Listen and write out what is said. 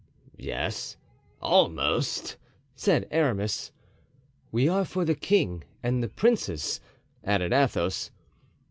"Yes, almost," said Aramis. "We are for the king and the princes," added Athos.